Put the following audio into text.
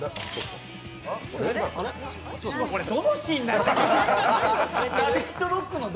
これ、どのシーンだよ！